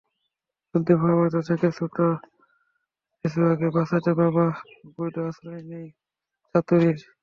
যুদ্ধের ভয়াবহতা থেকে ছোট্ট জোসুয়েকে বাঁচাতে বাবা গুইদো আশ্রয় নেয় চাতুরির।